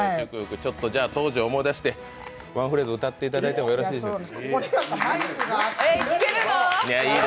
ちょっと当時を思い出してワンフレーズ歌っていただいてもよろしいですか？